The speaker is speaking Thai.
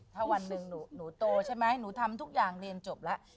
ถ้าวันหนึ่งหนูโตใช่ไหมหนูทำทุกอย่างเรียนจบแล้ว